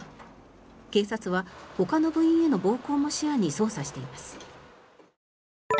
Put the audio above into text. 警察はほかの部員への暴行も視野に捜査しています。